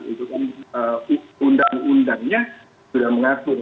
itu kan undang undangnya sudah mengatur